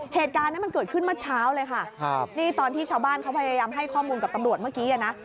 เหตุการณ์นี้มันเกิดขึ้นเมื่อเช้าเลยค่ะครับนี่ตอนที่ชาวบ้านเขาพยายามให้ข้อมูลกับตำรวจเมื่อกี้อ่ะนะ